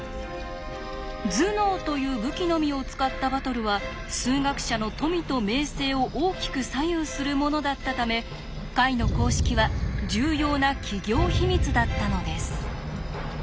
頭脳という武器のみを使ったバトルは数学者の富と名声を大きく左右するものだったため解の公式は重要な企業秘密だったのです。